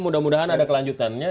mudah mudahan ada kelanjutannya